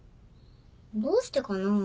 どうしてかな？